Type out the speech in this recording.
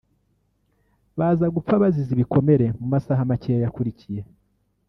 baza gupfa bazize ibikomere mu masaha makeya yakurikiye